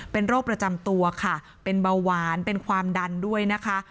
เป็นโรคประจำตัวค่ะเป็นเบาหวานเป็นความดันด้วยนะคะ